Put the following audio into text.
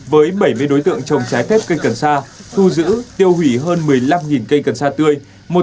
với bảy mươi đối tượng trồng trái kép cây cần xa thu giữ tiêu hủy hơn một mươi năm cây cần xa tươi